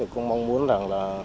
cũng mong muốn